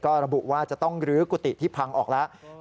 ก็ระบุว่าจะต้องลื้อกุฏิที่พังออกแล้ว